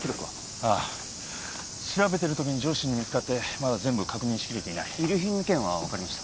ああ調べてる時に上司に見つかってまだ全部確認し切れていない遺留品の件は分かりました？